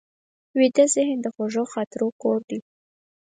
ویده ذهن د خوږو خاطرو کور دی